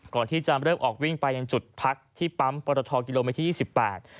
ก่อนที่จะเริ่มออกวิ่งไปยังจุดพักที่ปั๊มปรทกิโลเมตรที่ยี่สิบแปด